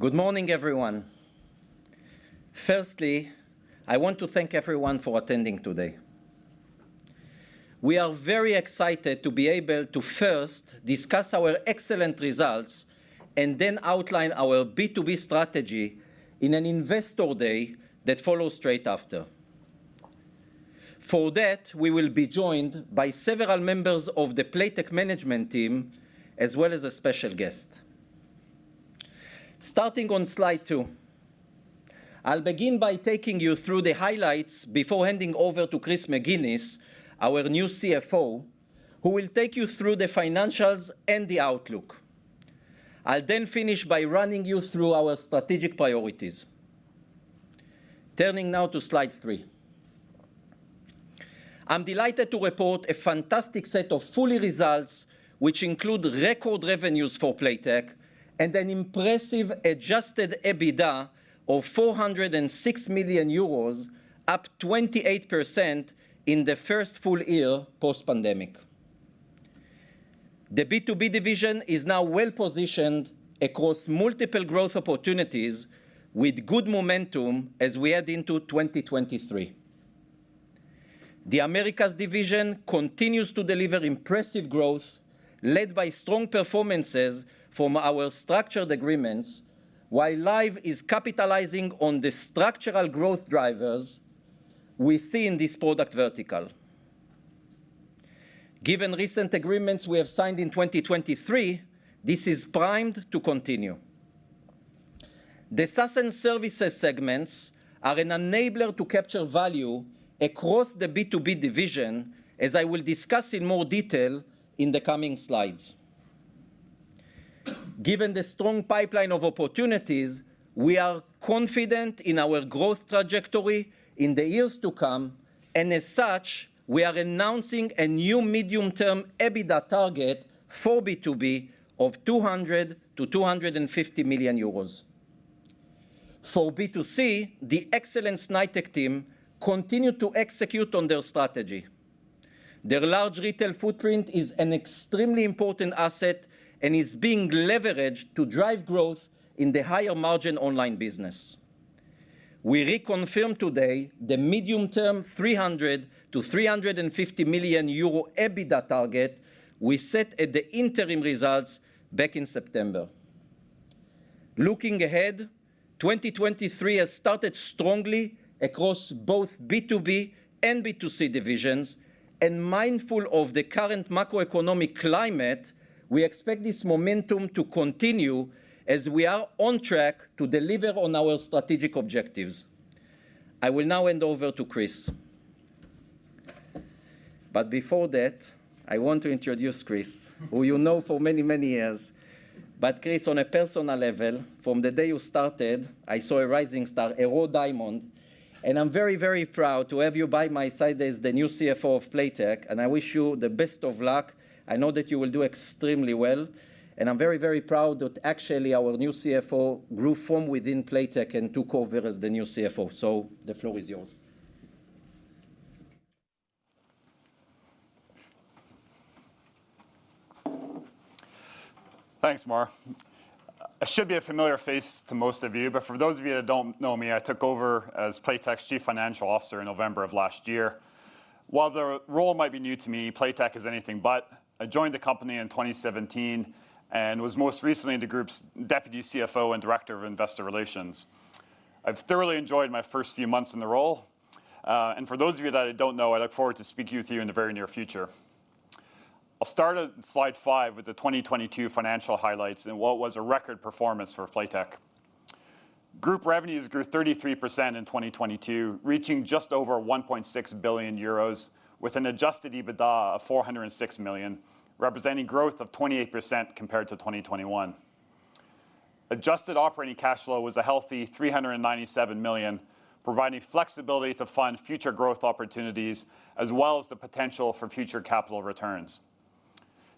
Good morning, everyone. Firstly, I want to thank everyone for attending today. We are very excited to beable to first discuss our excellent results and then outline our B2B strategy in an investor day that follows straight after. For that, we will be joined by several members of the Playtech management team, as well as a special guest. Starting on slide two, I'll begin by taking you through the highlights before handing over to Chris McGinnis, our new CFO, who will take you through the financials and the outlook. I'll finish by running you through our strategic priorities. Turning now to slide three. I'm delighted to report a fantastic set of full-year results which include record revenues for Playtech and an impressive adjusted EBITDA of 406 million euros, up 28% in the first full year post-pandemic. The B2B division is now well-positioned across multiple growth opportunities with good momentum as we head into 2023. The Americas division continues to deliver impressive growth led by strong performances from our structured agreements, while Live is capitalizing on the structural growth drivers we see in this product vertical. Given recent agreements we have signed in 2023, this is primed to continue. The SaaS and services segments are an enabler to capture value across the B2B division, as I will discuss in more detail in the coming slides. Given the strong pipeline of opportunities, we are confident in our growth trajectory in the years to come. As such, we are announcing a new medium-term EBITDA target for B2B of 200 million-250 million euros. For B2C, the excellent Snaitech team continue to execute on their strategy. Their large retail footprint is an extremely important asset and is being leveraged to drive growth in the higher margin online business. We reconfirm today the medium-term 300 million-350 million euro EBITDA target we set at the interim results back in September. Looking ahead, 2023 has started strongly across both B2B and B2C divisions. Mindful of the current macroeconomic climate, we expect this momentum to continue as we are on track to deliver on our strategic objectives. I will now hand over to Chris. Before that, I want to introduce Chris, who you know for many years. Chris, on a personal level, from the day you started, I saw a rising star, a raw diamond, and I'm very proud to have you by my side as the new CFO of Playtech. I wish you the best of luck. I know that you will do extremely well. I'm very, very proud that actually our new CFO grew from within Playtech and took over as the new CFO. The floor is yours. Thanks, Mor. I should be a familiar face to most of you, but for those of you that don't know me, I took over as Playtech's Chief Financial Officer in November of last year. While the role might be new to me, Playtech is anything but. I joined the company in 2017 and was most recently the group's Deputy CFO and Director of Investor Relations. I've thoroughly enjoyed my first few months in the role. For those of you that I don't know, I look forward to speaking with you in the very near future. I'll start at slide five with the 2022 financial highlights in what was a record performance for Playtech. Group revenues grew 33% in 2022, reaching just over 1.6 billion euros with an adjusted EBITDA of 406 million, representing growth of 28% compared to 2021. Adjusted operating cash flow was a healthy 397 million, providing flexibility to fund future growth opportunities as well as the potential for future capital returns.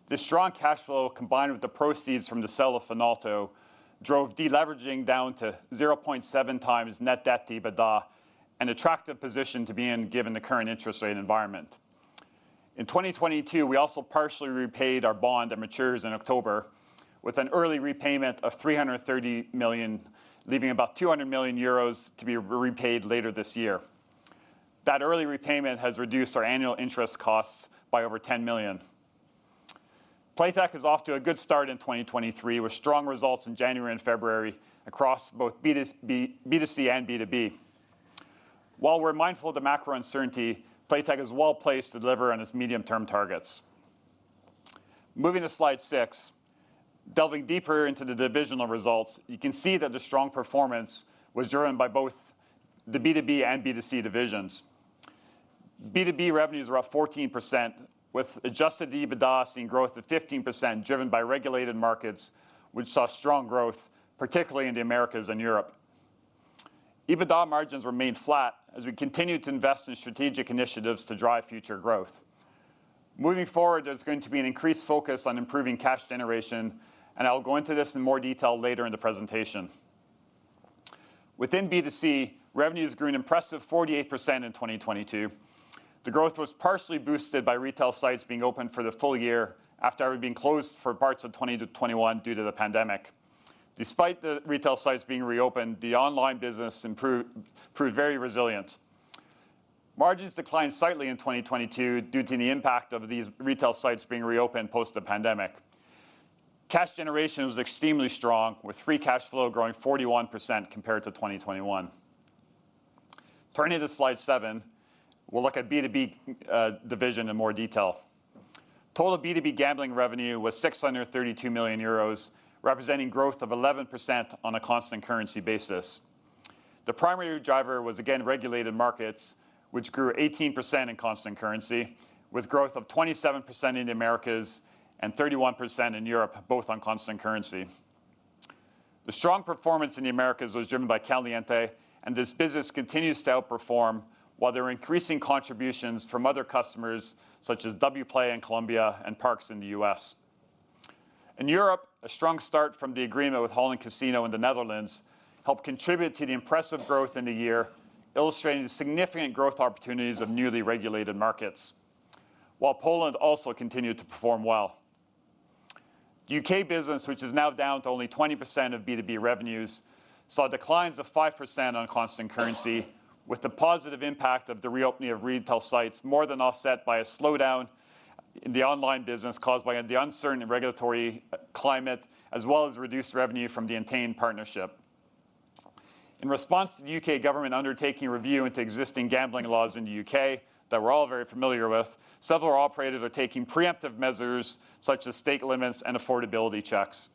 The strong cash flow, combined with the proceeds from the sale of Finalto, drove deleveraging down to 0.7 times net debt to EBITDA, an attractive position to be in given the current interest rate environment. In 2022, we also partially repaid our bond that matures in October with an early repayment of 330 million, leaving about 200 million euros to be repaid later this year. That early repayment has reduced our annual interest costs by over 10 million. Playtech is off to a good start in 2023, with strong results in January and February across both B2C and B2B. While we're mindful of the macro uncertainty, Playtech is well-placed to deliver on its medium-term targets. Moving to slide six, delving deeper into the divisional results, you can see that the strong performance was driven by both the B2B and B2C divisions. B2B revenues were up 14%, with adjusted to EBITDA seeing growth of 15%, driven by regulated markets, which saw strong growth, particularly in the Americas and Europe. EBITDA margins remained flat as we continued to invest in strategic initiatives to drive future growth. Moving forward, there's going to be an increased focus on improving cash generation, and I will go into this in more detail later in the presentation. Within B2C, revenue has grown an impressive 48% in 2022. The growth was partially boosted by retail sites being open for the full-year after having been closed for parts of 2020-2021 due to the pandemic. Despite the retail sites being reopened, the online business proved very resilient. Margins declined slightly in 2022 due to the impact of these retail sites being reopened post the pandemic. Cash generation was extremely strong, with free cash flow growing 41% compared to 2021. Turning to slide seven, we'll look at B2B division in more detail. Total B2B gambling revenue was 632 million euros, representing growth of 11% on a constant currency basis. The primary driver was again regulated markets, which grew 18% in constant currency, with growth of 27% in the Americas and 31% in Europe, both on constant currency. The strong performance in the Americas was driven by Caliente. This business continues to outperform while there are increasing contributions from other customers such as Wplay in Colombia and Parx in the U.S. In Europe, a strong start from the agreement with Holland Casino in the Netherlands helped contribute to the impressive growth in the year, illustrating the significant growth opportunities of newly regulated markets, while Poland also continued to perform well. U.K. business, which is now down to only 20% of B2B revenues, saw declines of 5% on constant currency, with the positive impact of the reopening of retail sites more than offset by a slowdown in the online business caused by the uncertain regulatory climate, as well as reduced revenue from the Entain partnership. In response to the U.K. government undertaking a review into existing gambling laws in the U.K. that we're all very familiar with, several operators are taking preemptive measures such as stake limits and affordability checks.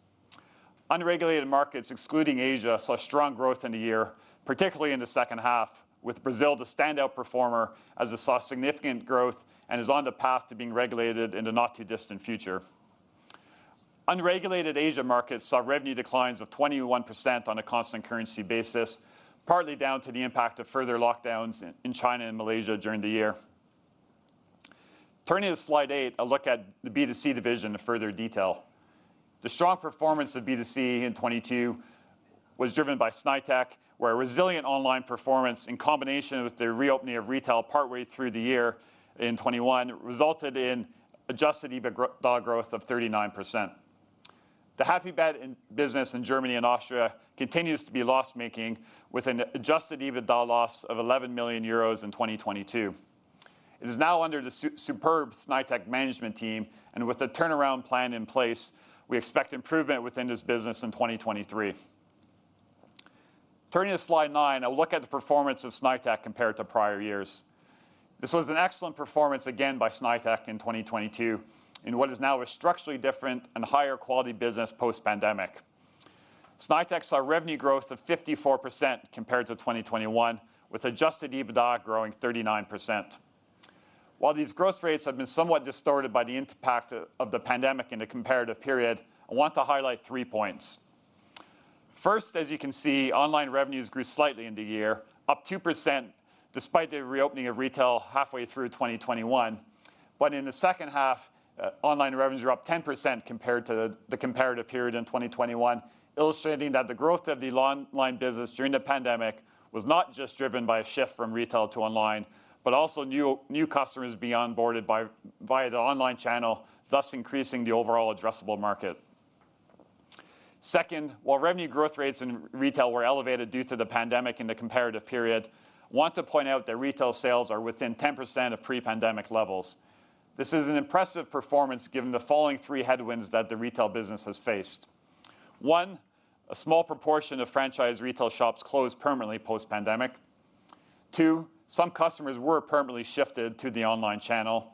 Unregulated markets, excluding Asia, saw strong growth in the year, particularly in the second half, with Brazil the standout performer as it saw significant growth and is on the path to being regulated in the not-too-distant future. Unregulated Asia markets saw revenue declines of 21% on a constant currency basis, partly down to the impact of further lockdowns in China and Malaysia during the year. Turning to slide eight, a look at the B2C division in further detail. The strong performance of B2C in 2022 was driven by Snaitech, where a resilient online performance in combination with the reopening of retail partway through the year in 2021 resulted in adjusted EBITDA growth of 39%. Happybet business in Germany and Austria continues to be loss-making with an adjusted EBITDA loss of 11 million euros in 2022. It is now under the superb Snaitech management team, and with the turnaround plan in place, we expect improvement within this business in 2023. Turning to slide nine, a look at the performance of Snaitech compared to prior years. This was an excellent performance again by Snaitech in 2022 in what is now a structurally different and higher quality business post-pandemic. Snaitech saw revenue growth of 54% compared to 2021, with adjusted EBITDA growing 39%. While these growth rates have been somewhat distorted by the impact of the pandemic in the comparative period, I want to highlight three points. First, as you can see, online revenues grew slightly in the year, up 2% despite the reopening of retail halfway through 2021. In the second half, online revenues were up 10% compared to the comparative period in 2021, illustrating that the growth of the online business during the pandemic was not just driven by a shift from retail to online, but also new customers being onboarded by, via the online channel, thus increasing the overall addressable market. Second, while revenue growth rates in retail were elevated due to the pandemic in the comparative period, I want to point out that retail sales are within 10% of pre-pandemic levels. This is an impressive performance given the following three headwinds that the retail business has faced. One, a small proportion of franchise retail shops closed permanently post-pandemic. Two, some customers were permanently shifted to the online channel.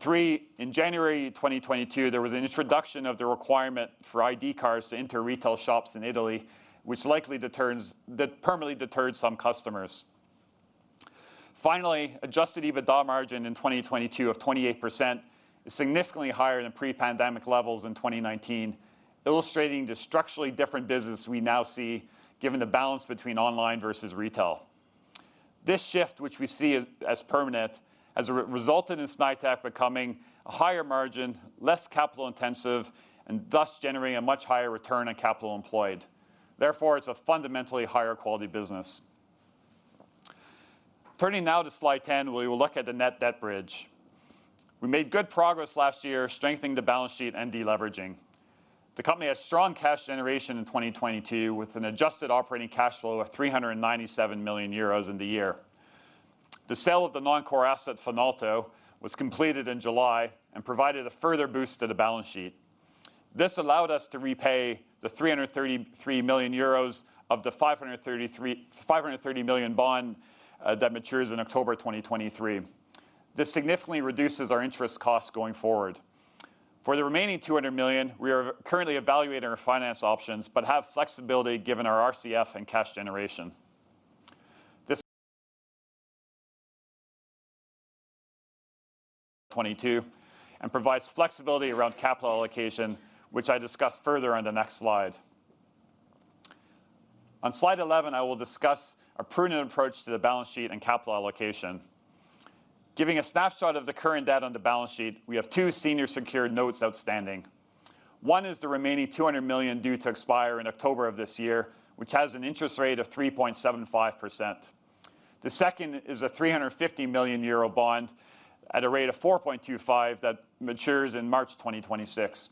Three, in January 2022, there was an introduction of the requirement for ID cards to enter retail shops in Italy, that permanently deterred some customers. Finally, adjusted EBITDA margin in 2022 of 28% is significantly higher than pre-pandemic levels in 2019, illustrating the structurally different business we now see given the balance between online versus retail. This shift, which we see as permanent, has re-resulted in Snaitech becoming a higher margin, less capital-intensive, and thus generating a much higher return on capital employed. It's a fundamentally higher quality business. Turning now to slide 10, we will look at the net debt bridge. We made good progress last year strengthening the balance sheet and deleveraging. The company had strong cash generation in 2022, with an adjusted operating cash flow of 397 million euros in the year. The sale of the non-core asset Finalto was completed in July and provided a further boost to the balance sheet. This allowed us to repay the 333 million euros of the 530 million bond that matures in October 2023. This significantly reduces our interest costs going forward. For the remaining 200 million, we are currently evaluating our finance options but have flexibility given our RCF and cash generation. 2022 provides flexibility around capital allocation, which I discuss further on the next slide. On slide 11, I will discuss a prudent approach to the balance sheet and capital allocation. Giving a snapshot of the current debt on the balance sheet, we have two senior secured notes outstanding. One is the remaining 200 million due to expire in October of this year, which has an interest rate of 3.75%. The second is a 350 million euro bond at a rate of 4.25% that matures in March 2026.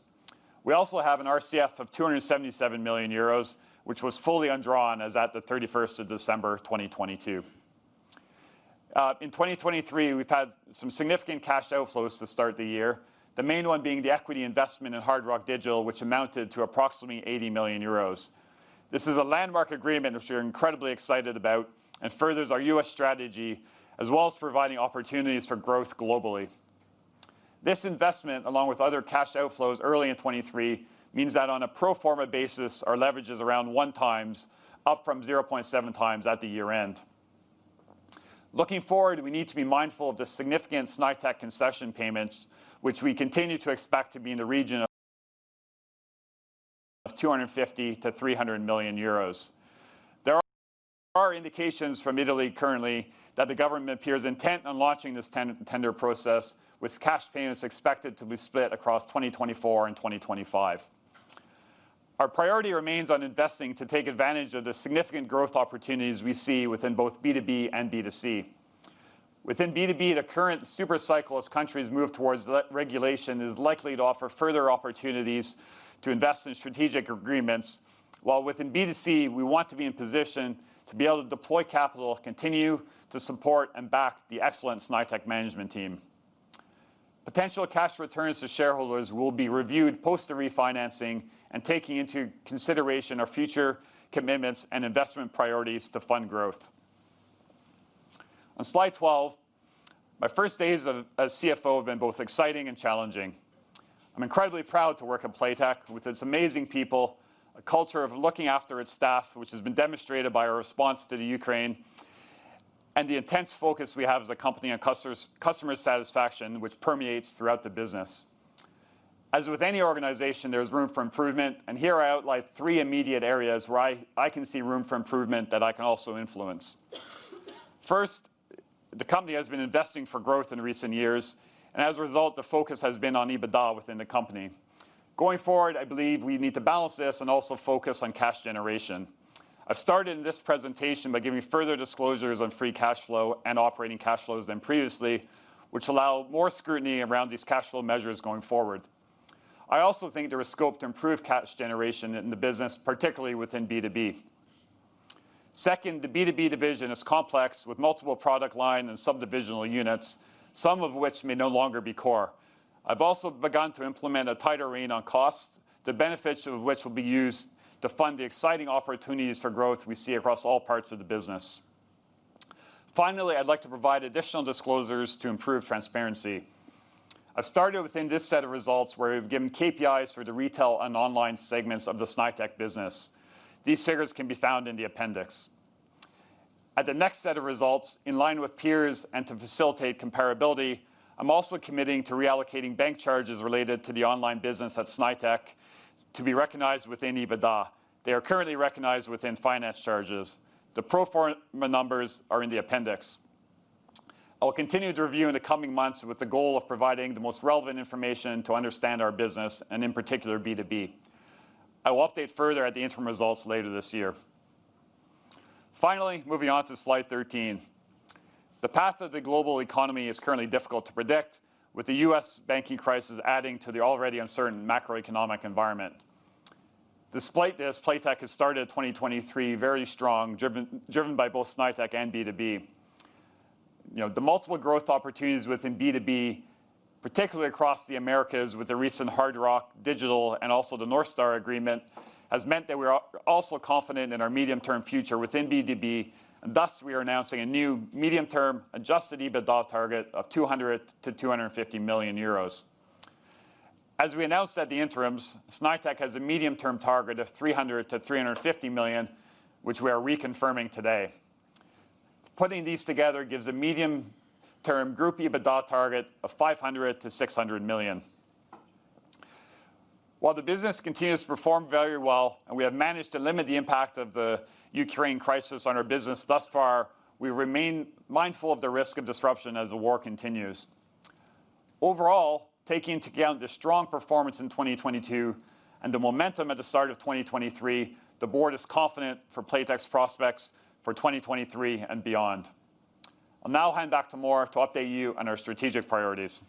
We also have an RCF of 277 million euros, which was fully undrawn as at the 31st of December 2022. In 2023, we've had some significant cash outflows to start the year, the main one being the equity investment in Hard Rock Digital, which amounted to approximately 80 million euros. This is a landmark agreement which we're incredibly excited about and furthers our US strategy, as well as providing opportunities for growth globally. This investment, along with other cash outflows early in 2023, means that on a pro forma basis, our leverage is around 1 times, up from 0.7 times at the year-end. Looking forward, we need to be mindful of the significant Snaitech concession payments, which we continue to expect to be in the region of 250 million-300 million euros. There are indications from Italy currently that the government appears intent on launching this 10-tender process with cash payments expected to be split across 2024 and 2025. Our priority remains on investing to take advantage of the significant growth opportunities we see within both B2B and B2C. Within B2B, the current super cycle as countries move towards regulation is likely to offer further opportunities to invest in strategic agreements. While within B2C, we want to be in position to be able to deploy capital, continue to support and back the excellent Snaitech management team. Potential cash returns to shareholders will be reviewed post the refinancing and taking into consideration our future commitments and investment priorities to fund growth. On slide 12, my first days as CFO have been both exciting and challenging. I'm incredibly proud to work at Playtech with its amazing people, a culture of looking after its staff, which has been demonstrated by our response to the Ukraine, and the intense focus we have as a company on customers, customer satisfaction, which permeates throughout the business. As with any organization, there's room for improvement. Here I outline three immediate areas where I can see room for improvement that I can also influence. First, the company has been investing for growth in recent years. As a result, the focus has been on EBITDA within the company. Going forward, I believe we need to balance this and also focus on cash generation. I've started this presentation by giving further disclosures on free cash flow and operating cash flows than previously, which allow more scrutiny around these cash flow measures going forward. I also think there is scope to improve cash generation in the business, particularly within B2B. Second, the B2B division is complex with multiple product line and sub-divisional units, some of which may no longer be core. I've also begun to implement a tighter rein on costs, the benefits of which will be used to fund the exciting opportunities for growth we see across all parts of the business. Finally, I'd like to provide additional disclosures to improve transparency. I've started within this set of results where we've given KPIs for the retail and online segments of the Snaitech business. These figures can be found in the appendix. At the next set of results, in line with peers and to facilitate comparability, I'm also committing to reallocating bank charges related to the online business at Snaitech to be recognized within EBITDA. They are currently recognized within finance charges. The pro forma numbers are in the appendix. I will continue to review in the coming months with the goal of providing the most relevant information to understand our business and in particular B2B. I will update further at the interim results later this year. Moving on to slide 13. The path of the global economy is currently difficult to predict, with the U.S. banking crisis adding to the already uncertain macroeconomic environment. Despite this, Playtech has started 2023 very strong, driven by both Snaitech and B2B. You know, the multiple growth opportunities within B2B, particularly across the Americas with the recent Hard Rock Digital and also the NorthStar agreement, has meant that we're also confident in our medium-term future within B2B, and thus we are announcing a new medium-term adjusted EBITDA target of 200 million-250 million euros. As we announced at the interims, Snaitech has a medium-term target of 300 million-350 million, which we are reconfirming today. Putting these together gives a medium-term group EBITDA target of 500 million-600 million. While the business continues to perform very well, and we have managed to limit the impact of the Ukraine crisis on our business thus far, we remain mindful of the risk of disruption as the war continues. Overall, taking into account the strong performance in 2022 and the momentum at the start of 2023, the board is confident for Playtech's prospects for 2023 and beyond. I'll now hand back to Mor to update you on our strategic priorities.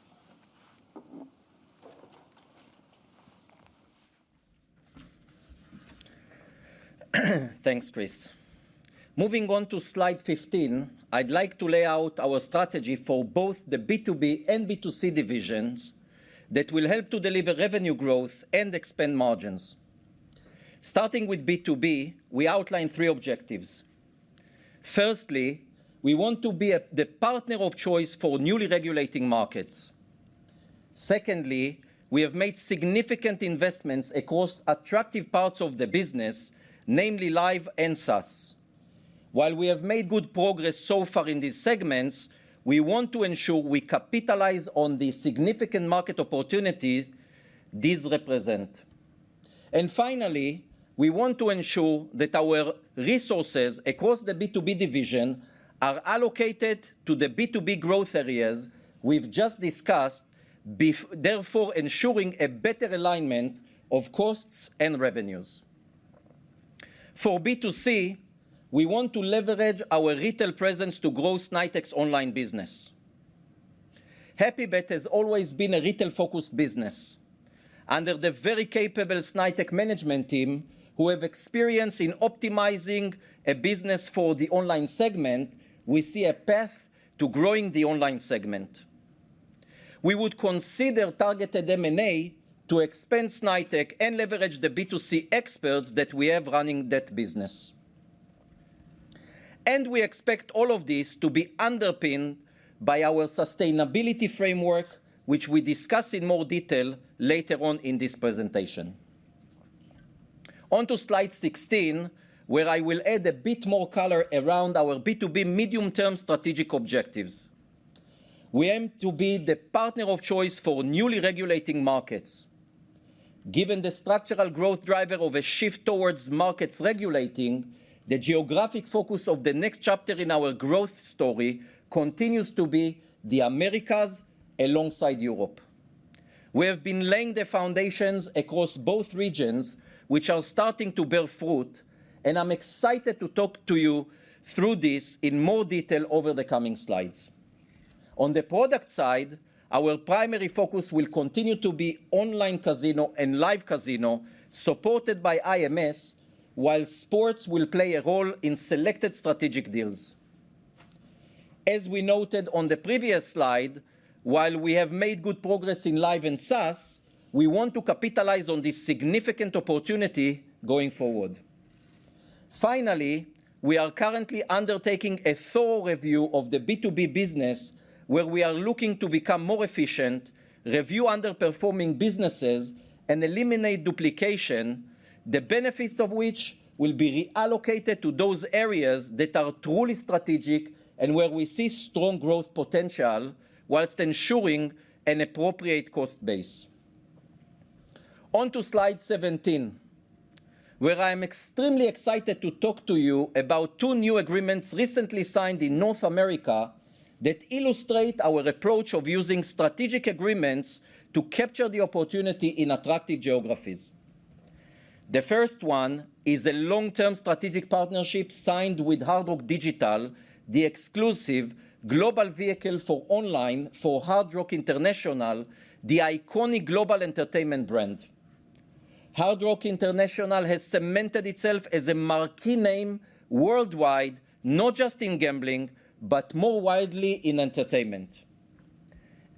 Thanks, Chris. Moving on to slide 15, I'd like to lay out our strategy for both the B2B and B2C divisions that will help to deliver revenue growth and expand margins. Starting with B2B, we outline three objectives. Firstly, we want to be the partner of choice for newly regulating markets. Secondly, we have made significant investments across attractive parts of the business, namely Live and SaaS. While we have made good progress so far in these segments, we want to ensure we capitalize on the significant market opportunities these represent. Finally, we want to ensure that our resources across the B2B division are allocated to the B2B growth areas we've just discussed therefore ensuring a better alignment of costs and revenues. For B2C, we want to leverage our retail presence to grow Snaitech's online business. HAPPYBET has always been a retail-focused business. Under the very capable Snaitech management team who have experience in optimizing a business for the online segment, we see a path to growing the online segment. We would consider targeted M&A to expand Snaitech and leverage the B2C experts that we have running that business. We expect all of this to be underpinned by our sustainability framework, which we discuss in more detail later on in this presentation. On to slide 16, where I will add a bit more color around our B2B medium-term strategic objectives. Given the structural growth driver of a shift towards markets regulating, the geographic focus of the next chapter in our growth story continues to be the Americas alongside Europe. We have been laying the foundations across both regions, which are starting to bear fruit, and I'm excited to talk to you through this in more detail over the coming slides. On the product side, our primary focus will continue to be online casino and Live Casino, supported by IMS, while sports will play a role in selected strategic deals. As we noted on the previous slide, while we have made good progress in Live and SaaS, we want to capitalize on this significant opportunity going forward. We are currently undertaking a thorough review of the B2B business where we are looking to become more efficient, review underperforming businesses, and eliminate duplication, the benefits of which will be reallocated to those areas that are truly strategic and where we see strong growth potential while ensuring an appropriate cost base. On to slide 17, where I am extremely excited to talk to you about two new agreements recently signed in North America that illustrate our approach of using strategic agreements to capture the opportunity in attractive geographies. The first one is a long-term strategic partnership signed with Hard Rock Digital, the exclusive global vehicle for online for Hard Rock International, the iconic global entertainment brand. Hard Rock International has cemented itself as a marquee name worldwide, not just in gambling, but more widely in entertainment.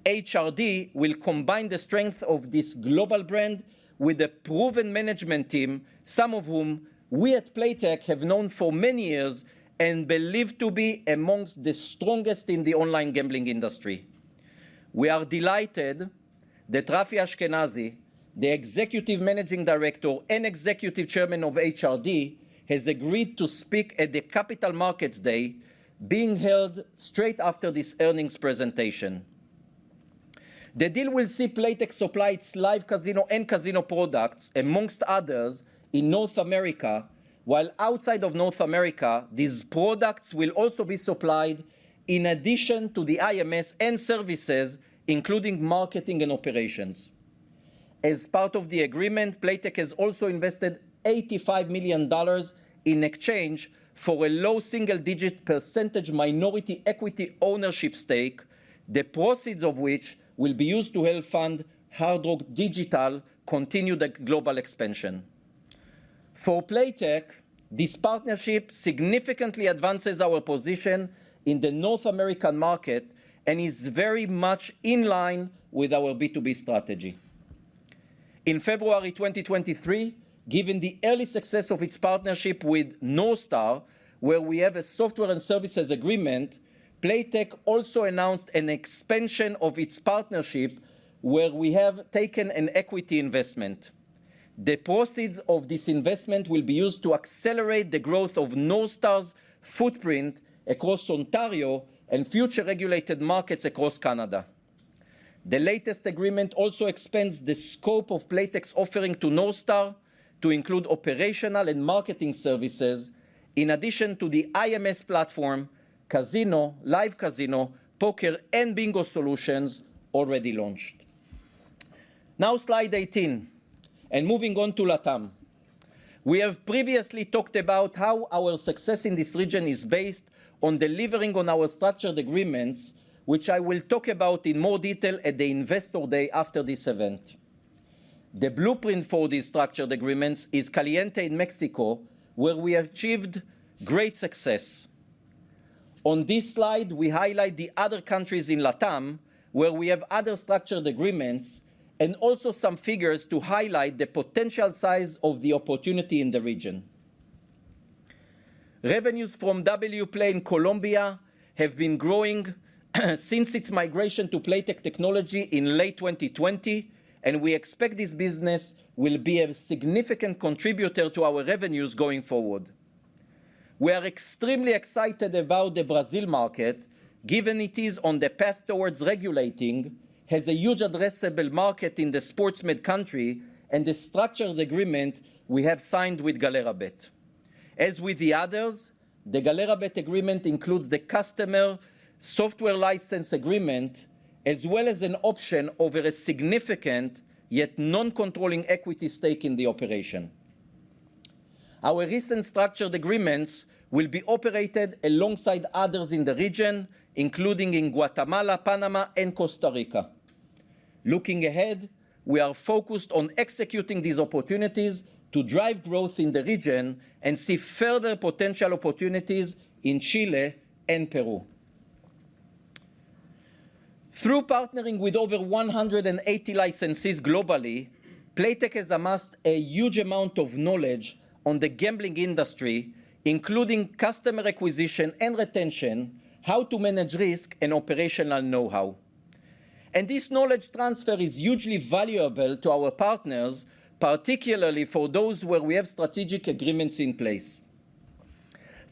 HRD will combine the strength of this global brand with a proven management team, some of whom we at Playtech have known for many years and believe to be amongst the strongest in the online gambling industry. We are delighted that Rafi Ashkenazi, the Executive Managing Director and Executive Chairman of HRD, has agreed to speak at the Capital Markets Day being held straight after this earnings presentation. The deal will see Playtech supply its Live Casino and casino products, amongst others, in North America, while outside of North America, these products will also be supplied in addition to the IMS and services, including marketing and operations. As part of the agreement, Playtech has also invested $85 million in exchange for a low single-digit % minority equity ownership stake, the proceeds of which will be used to help fund Hard Rock Digital continue the global expansion. For Playtech, this partnership significantly advances our position in the North American market and is very much in line with our B2B strategy. In February 2023, given the early success of its partnership with Northstar, where we have a software and services agreement, Playtech also announced an expansion of its partnership where we have taken an equity investment. The proceeds of this investment will be used to accelerate the growth of Northstar's footprint across Ontario and future regulated markets across Canada. The latest agreement also expands the scope of Playtech's offering to Northstar to include operational and marketing services in addition to the IMS platform, casino, Live Casino, poker, and bingo solutions already launched. Slide 18, and moving on to LATAM. We have previously talked about how our success in this region is based on delivering on our structured agreements, which I will talk about in more detail at the Investor Day after this event. The blueprint for these structured agreements is Caliente in Mexico, where we have achieved great success. On this slide, we highlight the other countries in LATAM where we have other structured agreements and also some figures to highlight the potential size of the opportunity in the region. Revenues from Wplay in Colombia have been growing since its migration to Playtech technology in late 2020. We expect this business will be a significant contributor to our revenues going forward. We are extremely excited about the Brazil market, given it is on the path towards regulating, has a huge addressable market in the sports-mad country, and the structured agreement we have signed with Galera.bet. As with the others, the Galera.bet agreement includes the customer software license agreement, as well as an option over a significant, yet non-controlling equity stake in the operation. Our recent structured agreements will be operated alongside others in the region, including in Guatemala, Panama, and Costa Rica. Looking ahead, we are focused on executing these opportunities to drive growth in the region and see further potential opportunities in Chile and Peru. Through partnering with over 180 licensees globally, Playtech has amassed a huge amount of knowledge on the gambling industry, including customer acquisition and retention, how to manage risk, and operational know-how. This knowledge transfer is hugely valuable to our partners, particularly for those where we have strategic agreements in place.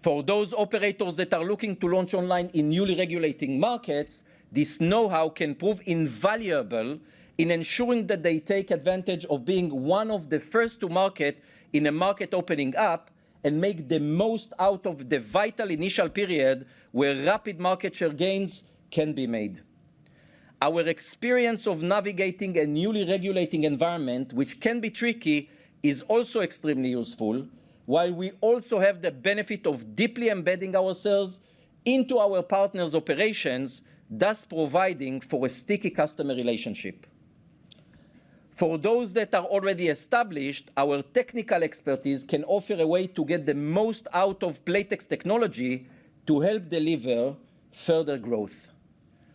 For those operators that are looking to launch online in newly regulating markets, this know-how can prove invaluable in ensuring that they take advantage of being one of the first to market in a market opening up and make the most out of the vital initial period where rapid market share gains can be made. Our experience of navigating a newly regulating environment, which can be tricky, is also extremely useful, while we also have the benefit of deeply embedding ourselves into our partners' operations, thus providing for a sticky customer relationship. For those that are already established, our technical expertise can offer a way to get the most out of Playtech's technology to help deliver further growth.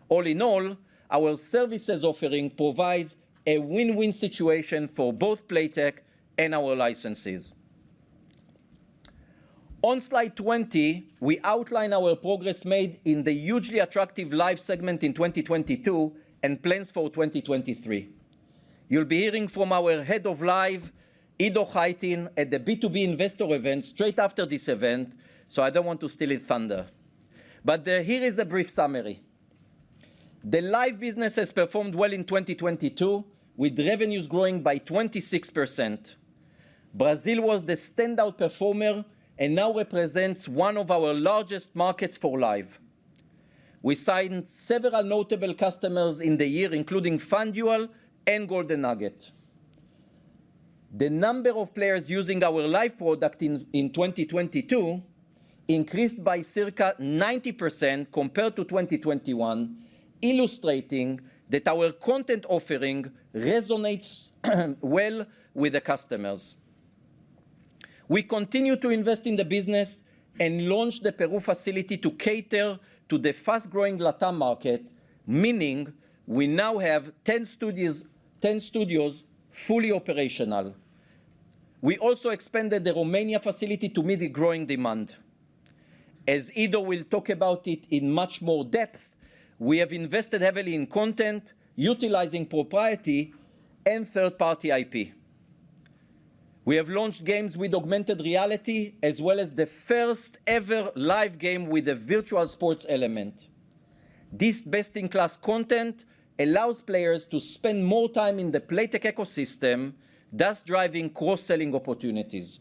All in all, our services offering provides a win-win situation for both Playtech and our licensees. On slide 20, we outline our progress made in the hugely attractive Live segment in 2022 and plans for 2023. You'll be hearing from our head of Live, Edo Haitin, at the B2B investor event straight after this event, I don't want to steal his thunder. Here is a brief summary. The Live business has performed well in 2022, with revenues growing by 26%. Brazil was the standout performer now represents one of our largest markets for Live. We signed several notable customers in the year, including FanDuel and Golden Nugget. The number of players using our Live product in 2022 increased by circa 90% compared to 2021, illustrating that our content offering resonates well with the customers. We continue to invest in the business and launched the Peru facility to cater to the fast-growing LatAm market, meaning we now have 10 studios fully operational. We also expanded the Romania facility to meet the growing demand. As Edo will talk about it in much more depth, we have invested heavily in content, utilizing proprietary and third-party IP. We have launched games with augmented reality, as well as the first-ever Live game with a virtual sports element. This best-in-class content allows players to spend more time in the Playtech ecosystem, thus driving cross-selling opportunities.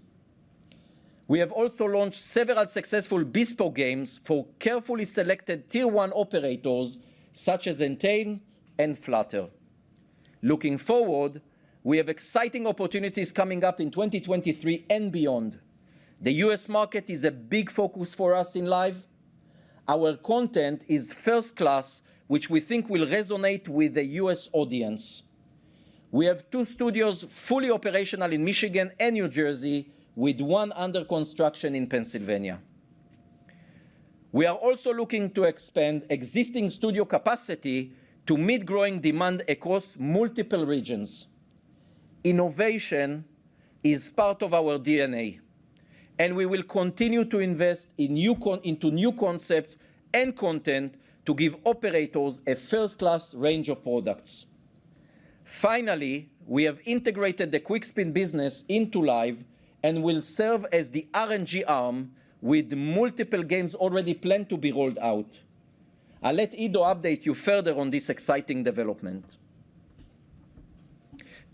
We have also launched several successful bespoke games for carefully selected tier one operators, such as Entain and Flutter. Looking forward, we have exciting opportunities coming up in 2023 and beyond. The U.S. market is a big focus for us in Live. Our content is first class, which we think will resonate with the U.S. audience. We have two studios fully operational in Michigan and New Jersey, with one under construction in Pennsylvania. We are also looking to expand existing studio capacity to meet growing demand across multiple regions. Innovation is part of our DNA, and we will continue to invest into new concepts and content to give operators a first-class range of products. Finally, we have integrated the Quickspin business into Live and will serve as the RNG arm with multiple games already planned to be rolled out. I'll let Edo update you further on this exciting development.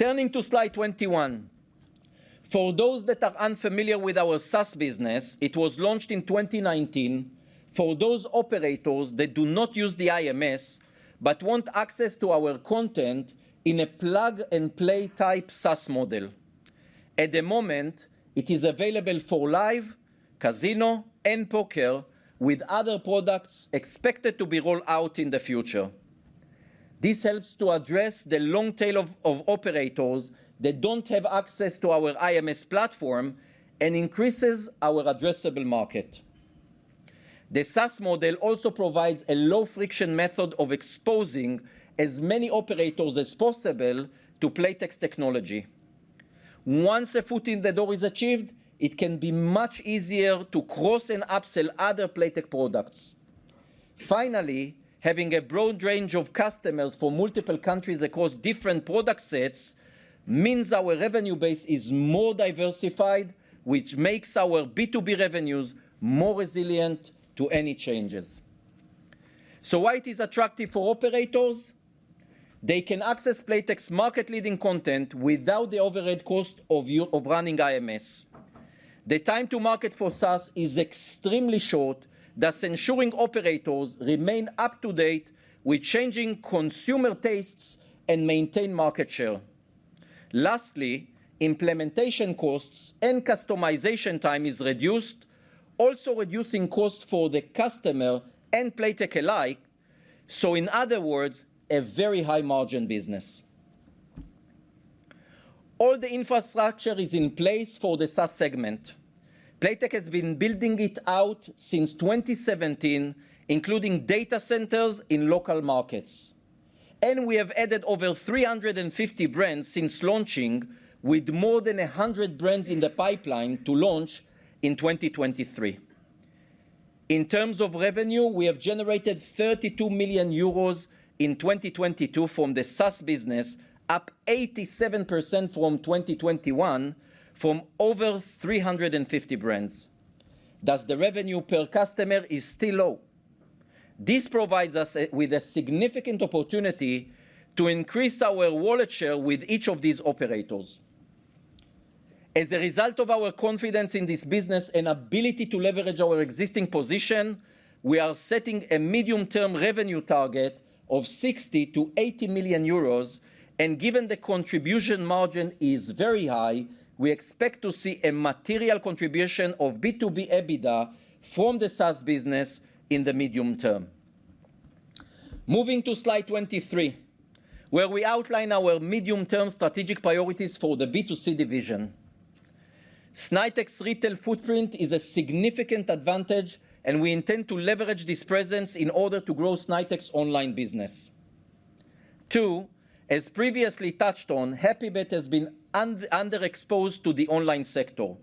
Turning to slide 21. For those that are unfamiliar with our SaaS business, it was launched in 2019 for those operators that do not use the IMS but want access to our content in a plug-and-play type SaaS model. At the moment, it is available for Live, casino, and poker, with other products expected to be rolled out in the future. This helps to address the long tail of operators that don't have access to our IMS platform and increases our addressable market. The SaaS model also provides a low-friction method of exposing as many operators as possible to Playtech's technology. Once a foot in the door is achieved, it can be much easier to cross and upsell other Playtech products. Finally, having a broad range of customers from multiple countries across different product sets means our revenue base is more diversified, which makes our B2B revenues more resilient to any changes. Why it is attractive for operators? They can access Playtech's market-leading content without the overhead cost of running IMS. The time to market for SaaS is extremely short, thus ensuring operators remain up to date with changing consumer tastes and maintain market share. Lastly, implementation costs and customization time is reduced, also reducing costs for the customer and Playtech alike. In other words, a very high margin business. All the infrastructure is in place for the SaaS segment. Playtech has been building it out since 2017, including data centers in local markets. We have added over 350 brands since launching, with more than 100 brands in the pipeline to launch in 2023. In terms of revenue, we have generated 32 million euros in 2022 from the SaaS business, up 87% from 2021, from over 350 brands. Thus, the revenue per customer is still low. This provides us with a significant opportunity to increase our wallet share with each of these operators. As a result of our confidence in this business and ability to leverage our existing position, we are setting a medium-term revenue target of 60 million-80 million euros. Given the contribution margin is very high, we expect to see a material contribution of B2B EBITDA from the SaaS business in the medium term. Moving to slide 23, where we outline our medium-term strategic priorities for the B2C division. Snaitech's retail footprint is a significant advantage, and we intend to leverage this presence in order to grow Snaitech's online business. Two, as previously touched on, HAPPYBET has been under-exposed to the online sector.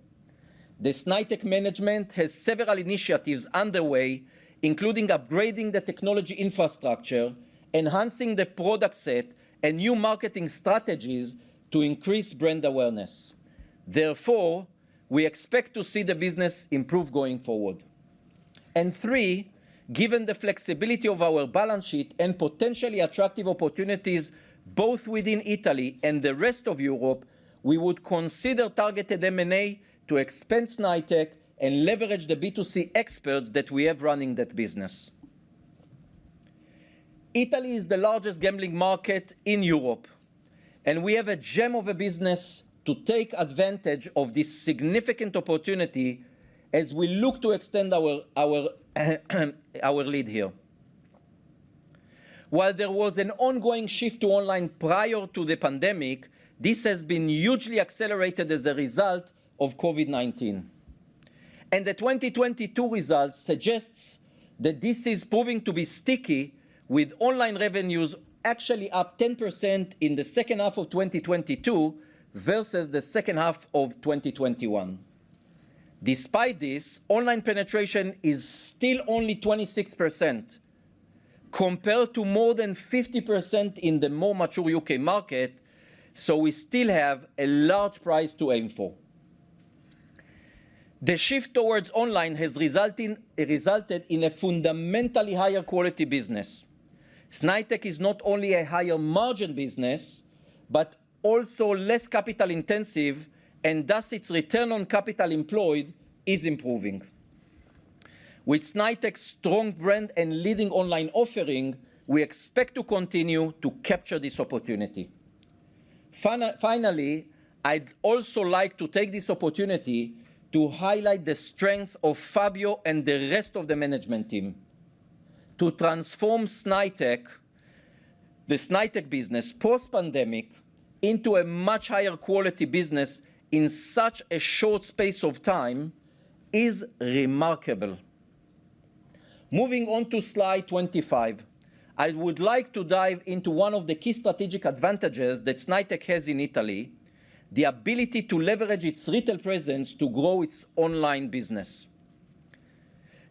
The Snaitech management has several initiatives underway, including upgrading the technology infrastructure, enhancing the product set, and new marketing strategies to increase brand awareness. Therefore, we expect to see the business improve going forward. Three, given the flexibility of our balance sheet and potentially attractive opportunities both within Italy and the rest of Europe, we would consider targeted M&A to expand Snaitech and leverage the B2C experts that we have running that business. Italy is the largest gambling market in Europe. We have a gem of a business to take advantage of this significant opportunity as we look to extend our lead here. While there was an ongoing shift to online prior to the pandemic, this has been hugely accelerated as a result of COVID-19. The 2022 results suggests that this is proving to be sticky, with online revenues actually up 10% in the second half of 2022 versus the second half of 2021. Despite this, online penetration is still only 26% compared to more than 50% in the more mature U.K. market, so we still have a large prize to aim for. The shift towards online has resulted in a fundamentally higher quality business. Snaitech is not only a higher margin business, but also less capital-intensive, and thus its return on capital employed is improving. With Snaitech's strong brand and leading online offering, we expect to continue to capture this opportunity. Finally, I'd also like to take this opportunity to highlight the strength of Fabio and the rest of the management team. To transform Snaitech, the Snaitech business post-pandemic into a much higher quality business in such a short space of time is remarkable. Moving on to slide 25. I would like to dive into one of the key strategic advantages that Snaitech has in Italy, the ability to leverage its retail presence to grow its online business.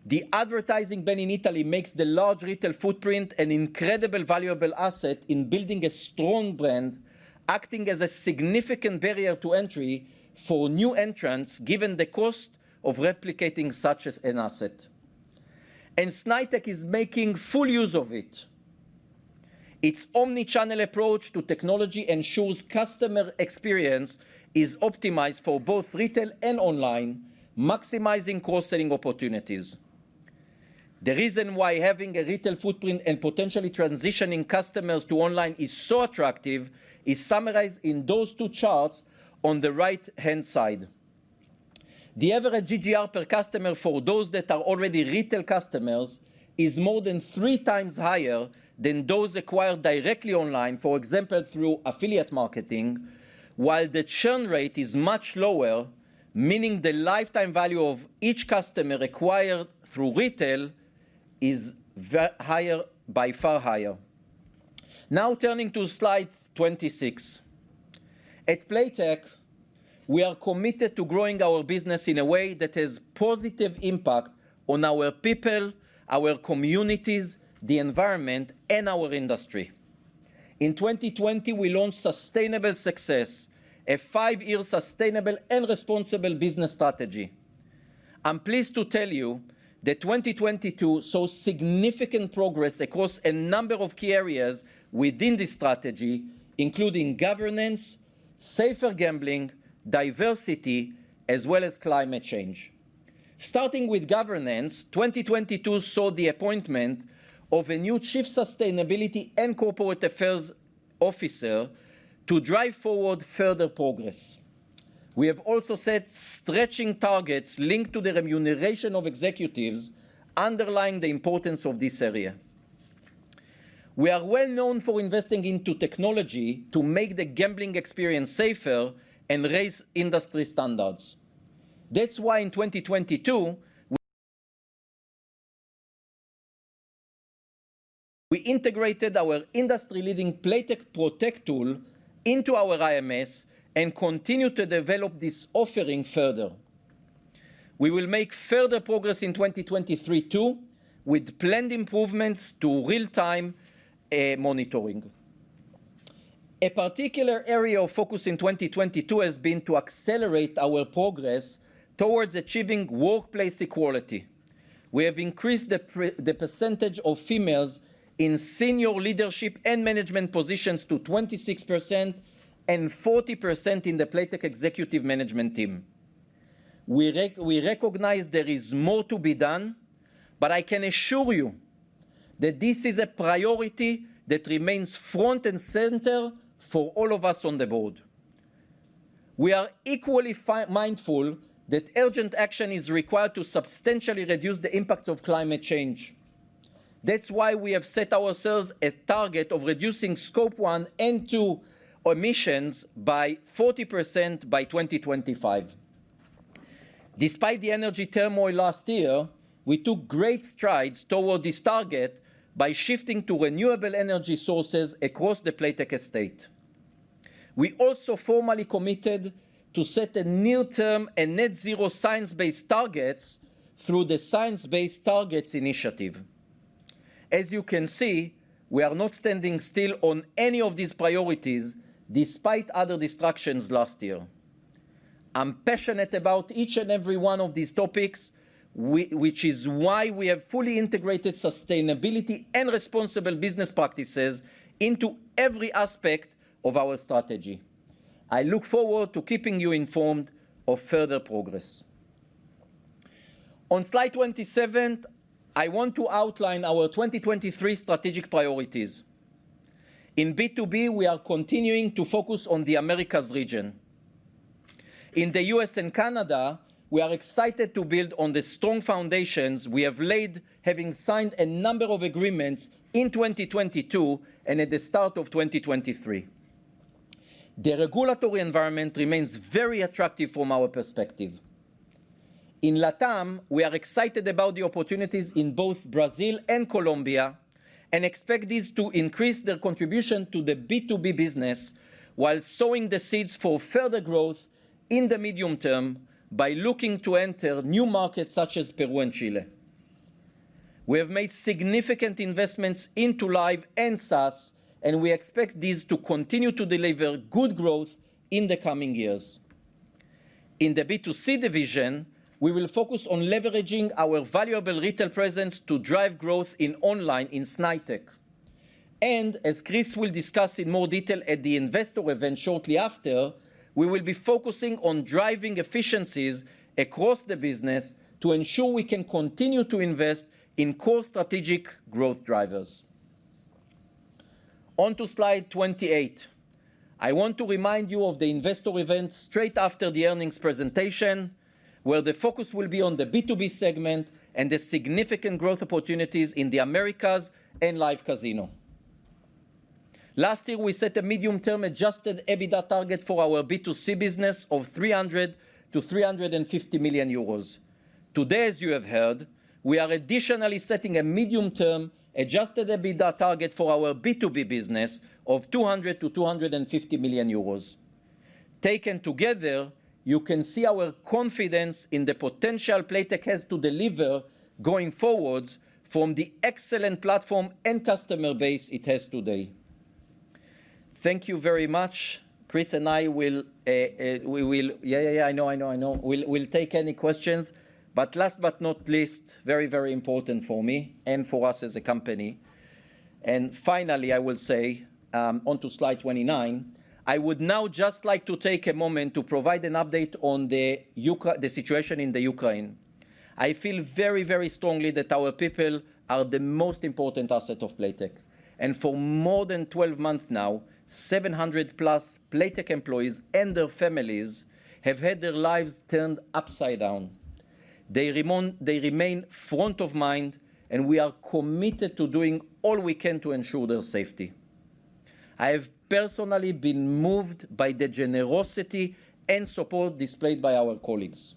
The advertising ban in Italy makes the large retail footprint an incredible valuable asset in building a strong brand, acting as a significant barrier to entry for new entrants, given the cost of replicating such as an asset. Snaitech is making full use of it. Its omni-channel approach to technology ensures customer experience is optimized for both retail and online, maximizing cross-selling opportunities. The reason why having a retail footprint and potentially transitioning customers to online is so attractive is summarized in those two charts on the right-hand side. The average GGR per customer for those that are already retail customers is more than three times higher than those acquired directly online, for example, through affiliate marketing, while the churn rate is much lower, meaning the lifetime value of each customer acquired through retail is higher, by far higher. Turning to slide 26. At Playtech, we are committed to growing our business in a way that has positive impact on our people, our communities, the environment, and our industry. In 2020, we launched Sustainable Success, a five-year sustainable and responsible business strategy. I'm pleased to tell you that 2022 saw significant progress across a number of key areas within this strategy, including governance, safer gambling, diversity, as well as climate change. Starting with governance, 2022 saw the appointment of a new chief sustainability and corporate affairs officer to drive forward further progress. We have also set stretching targets linked to the remuneration of executives, underlying the importance of this area. We are well-known for investing into technology to make the gambling experience safer and raise industry standards. In 2022, we integrated our industry-leading Playtech Protect tool into our IMS and continue to develop this offering further. We will make further progress in 2023 too, with planned improvements to real-time monitoring. A particular area of focus in 2022 has been to accelerate our progress towards achieving workplace equality. We have increased the percentage of females in senior leadership and management positions to 26% and 40% in the Playtech executive management team. We recognize there is more to be done, but I can assure you that this is a priority that remains front and center for all of us on the board. We are equally mindful that urgent action is required to substantially reduce the impacts of climate change. That's why we have set ourselves a target of reducing Scope 1 and 2 emissions by 40% by 2025. Despite the energy turmoil last year, we took great strides toward this target by shifting to renewable energy sources across the Playtech estate. We also formally committed to set a near-term and net zero science-based targets through the Science Based Targets initiative. As you can see, we are not standing still on any of these priorities despite other distractions last year. I'm passionate about each and every one of these topics, which is why we have fully integrated sustainability and responsible business practices into every aspect of our strategy. I look forward to keeping you informed of further progress. On slide 27, I want to outline our 2023 strategic priorities. In B2B, we are continuing to focus on the Americas region. In the U.S. and Canada, we are excited to build on the strong foundations we have laid, having signed a number of agreements in 2022 and at the start of 2023. The regulatory environment remains very attractive from our perspective. In LATAM, we are excited about the opportunities in both Brazil and Colombia, and expect this to increase their contribution to the B2B business while sowing the seeds for further growth in the medium term by looking to enter new markets such as Peru and Chile. We have made significant investments into Live and SaaS, and we expect this to continue to deliver good growth in the coming years. In the B2C division, we will focus on leveraging our valuable retail presence to drive growth in online in Snaitech. As Chris will discuss in more detail at the investor event shortly after, we will be focusing on driving efficiencies across the business to ensure we can continue to invest in core strategic growth drivers. On to slide 28. I want to remind you of the investor event straight after the earnings presentation, where the focus will be on the B2B segment and the significant growth opportunities in the Americas and Live Casino. Last year, we set a medium-term adjusted EBITDA target for our B2C business of 300 million-350 million euros. Today, as you have heard, we are additionally setting a medium-term adjusted EBITDA target for our B2B business of 200 million-250 million euros. Taken together, you can see our confidence in the potential Playtech has to deliver going forwards from the excellent platform and customer base it has today. Thank you very much. Chris and I will take any questions. Last but not least, very, very important for me and for us as a company. Finally, I will say, onto slide 29. I would now just like to take a moment to provide an update on the situation in the Ukraine. I feel very, very strongly that our people are the most important asset of Playtech, and for more than 12 months now, 700 plus Playtech employees and their families have had their lives turned upside down. They remain front of mind, we are committed to doing all we can to ensure their safety. I have personally been moved by the generosity and support displayed by our colleagues.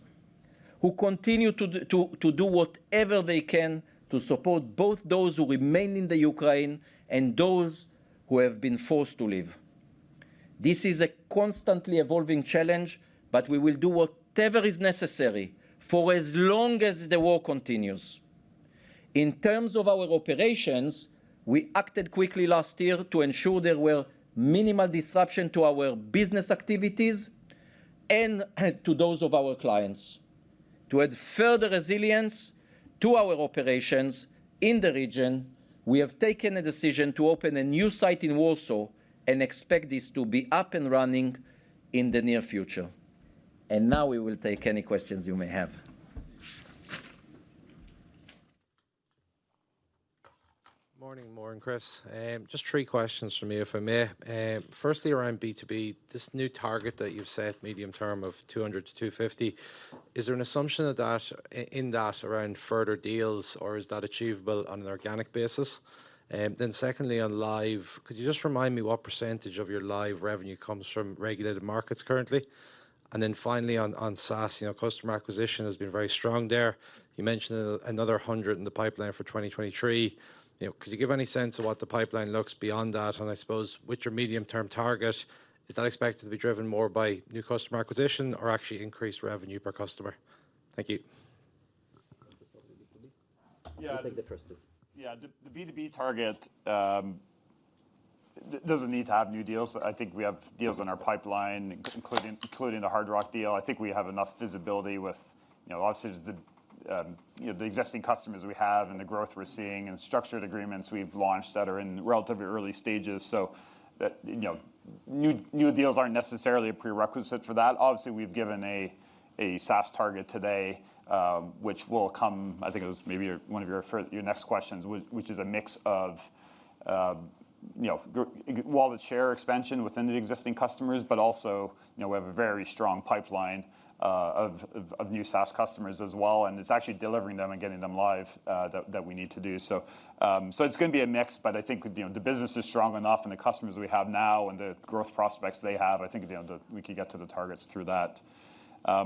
Who continue to do whatever they can to support both those who remain in Ukraine and those who have been forced to leave. This is a constantly evolving challenge, we will do whatever is necessary for as long as the war continues. In terms of our operations, we acted quickly last year to ensure there were minimal disruption to our business activities and to those of our clients. To add further resilience to our operations in the region, we have taken a decision to open a new site in Warsaw and expect this to be up and running in the near future. Now we will take any questions you may have. Morning, Mor and Chris. Just three questions from me, if I may. Firstly around B2B, this new target that you've set medium-term of 200-250, is there an assumption of that, in that around further deals, or is that achievable on an organic basis? Secondly, on Live, could you just remind me what % of your Live revenue comes from regulated markets currently? Finally on SaaS, you know, customer acquisition has been very strong there. You mentioned another 100 in the pipeline for 2023. You know, could you give any sense of what the pipeline looks beyond that? I suppose with your medium-term target, is that expected to be driven more by new customer acquisition or actually increased revenue per customer? Thank you. You want this one or B2B? Yeah. I'll take the first two. The B2B target doesn't need to have new deals. I think we have deals in our pipeline, including the Hard Rock deal. I think we have enough visibility with, you know, obviously the, you know, the existing customers we have and the growth we're seeing and structured agreements we've launched that are in relatively early stages. New, new deals aren't necessarily a prerequisite for that. We've given a SaaS target today, which will come, I think it was maybe your, one of your next questions, which is a mix of, you know, wallet share expansion within the existing customers, but also, you know, we have a very strong pipeline of new SaaS customers as well, and it's actually delivering them and getting them live that we need to do. So it's gonna be a mix, but I think, you know, the business is strong enough and the customers we have now and the growth prospects they have, I think, you know, we could get to the targets through that. I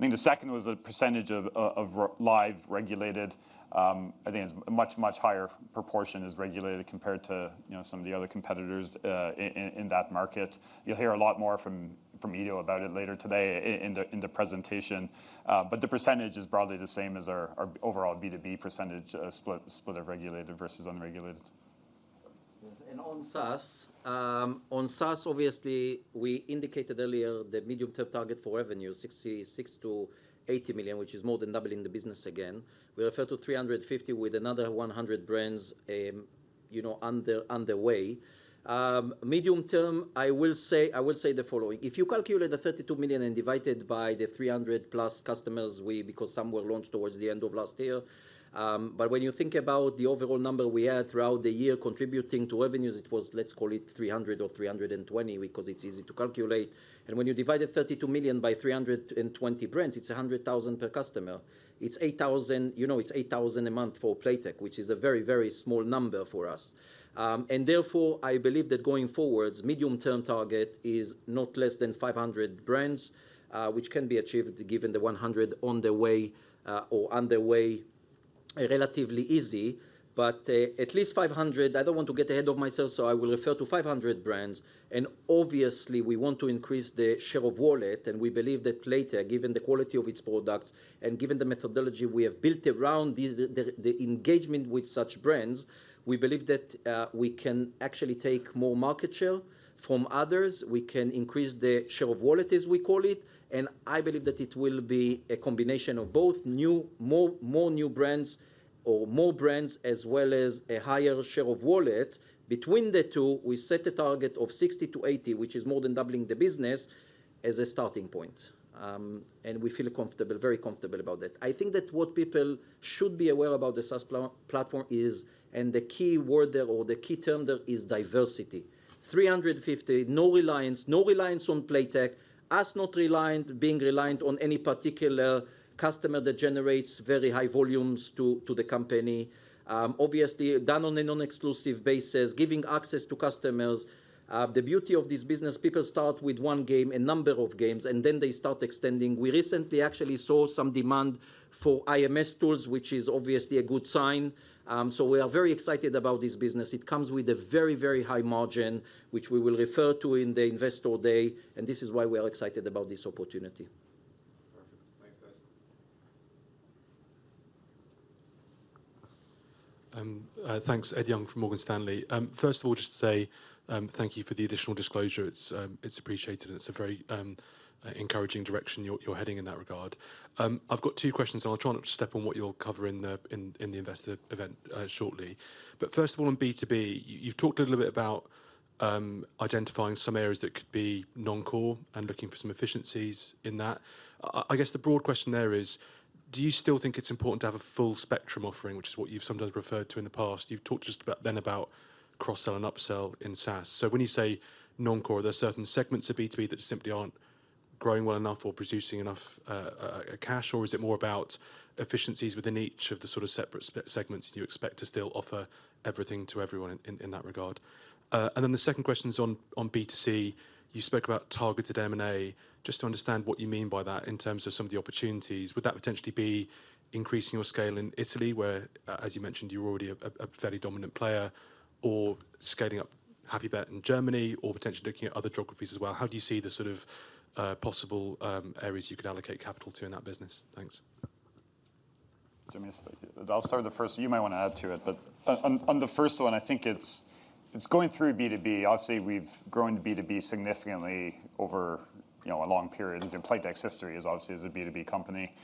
think the second was a percentage of live regulated. I think it's much higher proportion is regulated compared to, you know, some of the other competitors, in that market. You'll hear a lot more from Edo about it later today in the presentation. The percentage is broadly the same as our overall B2B percentage split of regulated versus unregulated. Yes. On SaaS, obviously, we indicated earlier the medium-term target for revenue, 66 million-80 million, which is more than doubling the business again. We refer to 350 with another 100 brands, underway. Medium term, I will say the following. If you calculate the 32 million and divide it by the 300+ customers we, because some were launched towards the end of last year. When you think about the overall number we had throughout the year contributing to revenues, it was, let's call it 300 or 320 because it's easy to calculate. When you divide the 32 million by 320 brands, it's 100,000 per customer. It's 8,000, you know, it's 8,000 a month for Playtech, which is a very, very small number for us. Therefore, I believe that going forwards, medium-term target is not less than 500 brands, which can be achieved given the 100 on the way, or underway relatively easy. At least 500, I don't want to get ahead of myself, so I will refer to 500 brands. Obviously, we want to increase the share of wallet, and we believe that Playtech, given the quality of its products and given the methodology we have built around these, the engagement with such brands, we believe that we can actually take more market share from others. We can increase the share of wallet, as we call it. I believe that it will be a combination of both new, more new brands or more brands, as well as a higher share of wallet. Between the two, we set a target of 60 to 80, which is more than doubling the business as a starting point. We feel comfortable, very comfortable about that. I think that what people should be aware about the SaaS platform is, the key word there or the key term there is diversity. 350, no reliance on Playtech, us not reliant, being reliant on any particular customer that generates very high volumes to the company. Obviously done on a non-exclusive basis, giving access to customers. The beauty of this business, people start with one game, a number of games, then they start extending. We recently actually saw some demand for IMS tools, which is obviously a good sign. We are very excited about this business. It comes with a very, very high margin, which we will refer to in the Investor Day. This is why we are excited about this opportunity. Perfect. Thanks, guys. Thanks. Ed Young from Morgan Stanley. First of all, just to say, thank you for the additional disclosure. It's, it's appreciated, and it's a very encouraging direction you're heading in that regard. I've got two questions, and I'll try not to step on what you'll cover in the investor event shortly. First of all, on B2B, you've talked a little bit about identifying some areas that could be non-core and looking for some efficiencies in that. I guess the broad question there is, do you still think it's important to have a full spectrum offering, which is what you've sometimes referred to in the past? You've talked just about then about cross-sell and upsell in SaaS. When you say non-core, are there certain segments of B2B that simply aren't... growing well enough or producing enough cash, or is it more about efficiencies within each of the sort of separate segments you expect to still offer everything to everyone in that regard? The second question's on B2C. You spoke about targeted M&A. Just to understand what you mean by that in terms of some of the opportunities. Would that potentially be increasing your scale in Italy, where as you mentioned, you're already a fairly dominant player, or scaling up HAPPYBET in Germany or potentially looking at other geographies as well? How do you see the sort of possible areas you could allocate capital to in that business? Thanks. Do you want me to start? I'll start the first. You might wanna add to it. On the first one, I think it's going through B2B. Obviously, we've grown B2B significantly over, you know, a long period. You know, Playtech's history is obviously as a B2B company.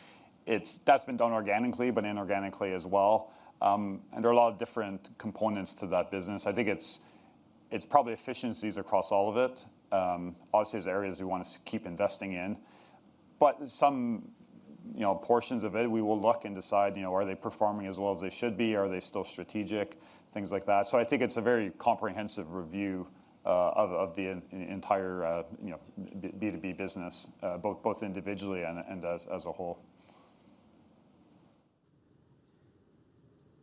That's been done organically, but inorganically as well, and there are a lot of different components to that business. I think it's probably efficiencies across all of it. Obviously, there's areas we wanna keep investing in. Some, you know, portions of it, we will look and decide, you know, are they performing as well as they should be? Are they still strategic? Things like that. I think it's a very comprehensive review of the entire, you know, B2B business, both individually and as a whole.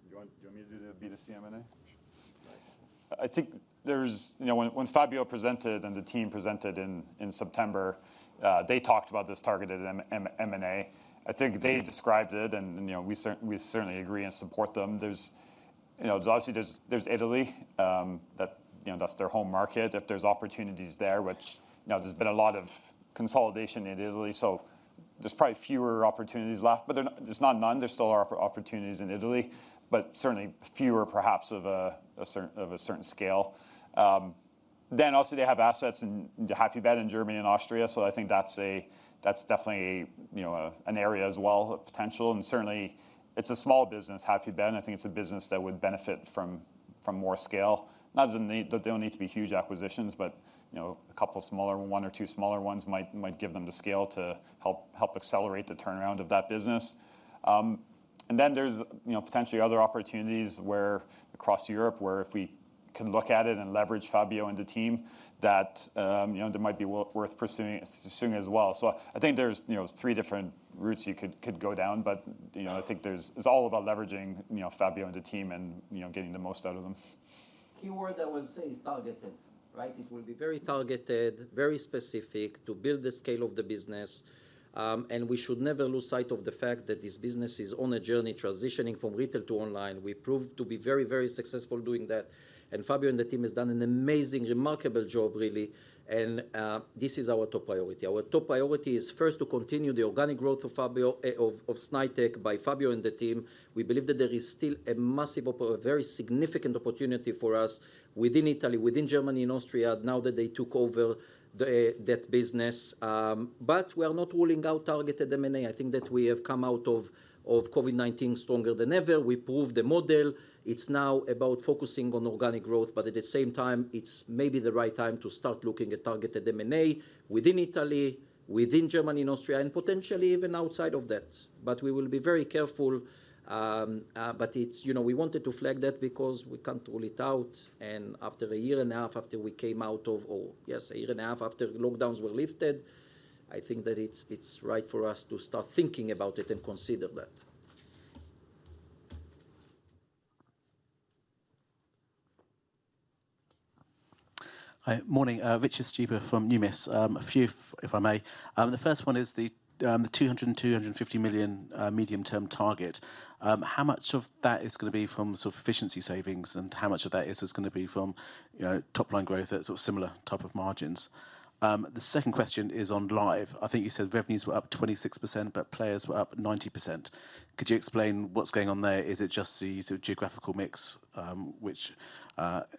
Do you want me to do the B2C M&A? Sure. I think there's. You know, when Fabio presented and the team presented in September, they talked about this targeted M&A. I think they described it and, you know, we certainly agree and support them. There's, you know, obviously there's Italy, that, you know, that's their home market. If there's opportunities there, which, you know, there's been a lot of consolidation in Italy, so there's probably fewer opportunities left. There's not none, there still are opportunities in Italy, but certainly fewer perhaps of a certain scale. Also, they have assets in HAPPYBET in Germany and Austria, so I think that's definitely, you know, an area as well, potential. Certainly, it's a small business, HAPPYBET, and I think it's a business that would benefit from more scale. Not that they that they'll need to be huge acquisitions, but, you know, a couple smaller, one or two smaller ones might give them the scale to help accelerate the turnaround of that business. There's, you know, potentially other opportunities where across Europe, where if we can look at it and leverage Fabio and the team, that, you know, that might be worth pursuing as well. I think there's, you know, three different routes you could go down. I think there's it's all about leveraging, you know, Fabio and the team and, you know, getting the most out of them. Key word I would say is targeted, right? It will be very targeted, very specific to build the scale of the business, and we should never lose sight of the fact that this business is on a journey transitioning from retail to online. We proved to be very, very successful doing that. Fabio and the team has done an amazing, remarkable job really and this is our top priority. Our top priority is first to continue the organic growth of Fabio, of Snaitech by Fabio and the team. We believe that there is still a very significant opportunity for us within Italy, within Germany and Austria, now that they took over the that business. We are not ruling out targeted M&A. I think that we have come out of COVID-19 stronger than ever. We proved the model. It's now about focusing on organic growth, but at the same time, it's maybe the right time to start looking at targeted M&A within Italy, within Germany and Austria, and potentially even outside of that. We will be very careful. You know, we wanted to flag that because we can't rule it out, and after a year and a half after we came out of, yes, a year and a half after lockdowns were lifted, I think that it's right for us to start thinking about it and consider that. Hi. Morning. Richard Stuber from Numis. A few, if I may. The first one is the 200-250 million medium-term target. How much of that is gonna be from sort of efficiency savings, and how much of that is just gonna be from, you know, top line growth at sort of similar type of margins? The second question is on Live. I think you said revenues were up 26%, but players were up 90%. Could you explain what's going on there? Is it just the sort of geographical mix which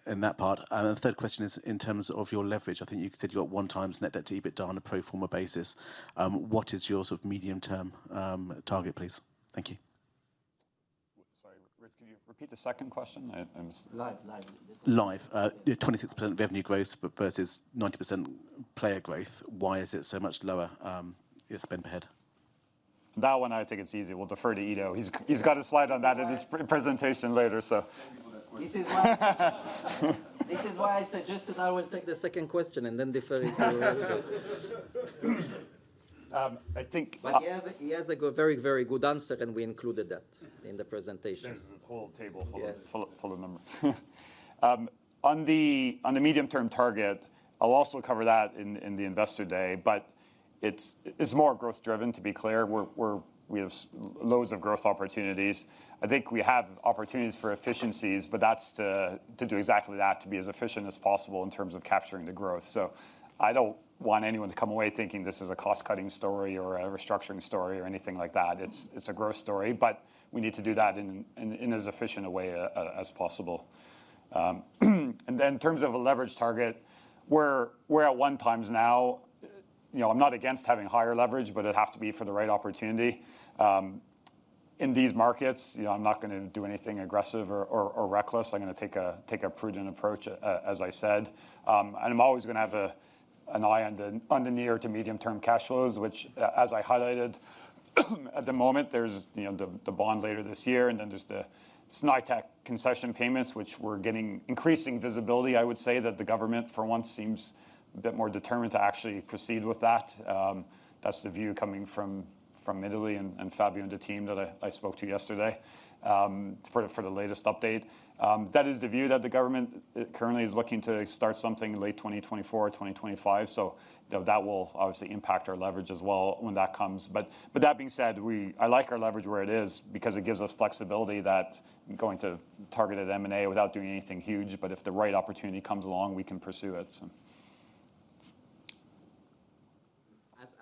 in that part? The third question is in terms of your leverage. I think you said you got 1 times net debt to EBITDA on a pro forma basis. What is your sort of medium term target, please? Thank you. Sorry, Rich, can you repeat the second question? Live. Live. Live. yeah, 26% revenue growth but versus 90% player growth. Why is it so much lower, your spend per head? That one I think it's easy. We'll defer to Edo. He's got a slide on that at his pre-presentation later, so. Thank you for that question. This is why I suggested I will take the second question and then defer it to Edo. Um, I think- He has like a very good answer, and we included that in the presentation. There's a whole table full of. Yes... full of numbers. On the medium term target, I'll also cover that in the Investor Day, but it's more growth driven, to be clear. We have loads of growth opportunities. I think we have opportunities for efficiencies, but that's to do exactly that, to be as efficient as possible in terms of capturing the growth. I don't want anyone to come away thinking this is a cost-cutting story or a restructuring story or anything like that. It's a growth story, but we need to do that in as efficient a way as possible. In terms of a leverage target, we're at one times now. You know, I'm not against having higher leverage, but it'd have to be for the right opportunity. In these markets, you know, I'm not gonna do anything aggressive or reckless. I'm gonna take a prudent approach, as I said. I'm always gonna have an eye on the near to medium-term cash flows, which as I highlighted, at the moment, there's, you know, the bond later this year, and then there's the Snaitech concession payments, which we're getting increasing visibility. I would say that the government for once seems a bit more determined to actually proceed with that. That's the view coming from Italy and Fabio and the team that I spoke to yesterday, for the latest update. That is the view that the government currently is looking to start something late 2024 or 2025. That will obviously impact our leverage as well when that comes. That being said, I like our leverage where it is because it gives us flexibility that going to targeted M&A without doing anything huge. If the right opportunity comes along, we can pursue it.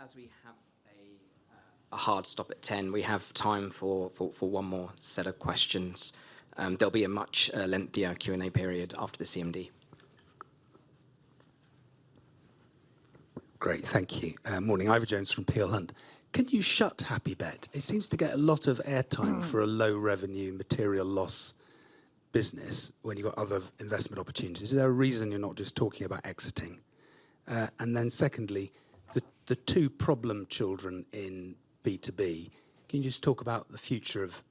As we have a hard stop at 10, we have time for one more set of questions. There'll be a much lengthier Q&A period after the CMD. Great. Thank you. Morning. Ivor Jones from Peel Hunt. Can you shut HAPPYBET? It seems to get a lot of airtime for a low revenue material loss business when you've got other investment opportunities. Is there a reason you're not just talking about exiting? Then secondly, the two problem children in B2B, can you just talk about the future of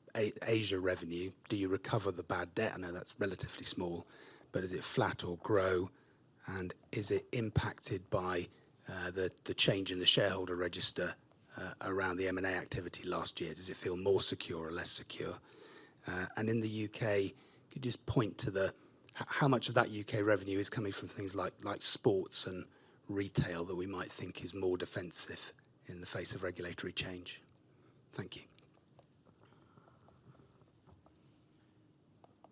Asia revenue? Do you recover the bad debt? I know that's relatively small, but is it flat or grow? Is it impacted by the change in the shareholder register around the M&A activity last year? Does it feel more secure or less secure? In the U.K., could you just point to the... How much of that U.K. Revenue is coming from things like sports and retail that we might think is more defensive in the face of regulatory change? Thank you.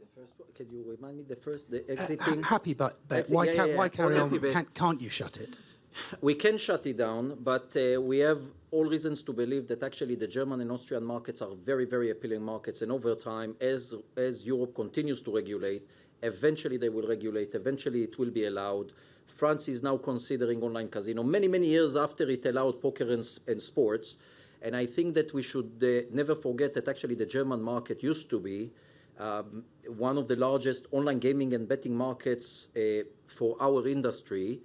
The first one, could you remind me the first? HAPPYBET. Exiting, yeah. Yeah. HAPPYBET. Why can't can't you shut it? We can shut it down, but we have all reasons to believe that actually the German and Austrian markets are very, very appealing markets and over time, as Europe continues to regulate, eventually they will regulate, eventually it will be allowed. France is now considering online casino many, many years after it allowed poker and sports. I think that we should never forget that actually the German market used to be one of the largest online gaming and betting markets for our industry.